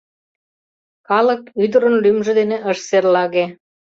Калык ӱдырын лӱмжӧ дене ыш серлаге.